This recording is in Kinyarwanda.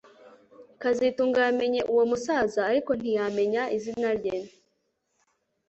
kazitunga yamenye uwo musaza ariko ntiyamenya izina rye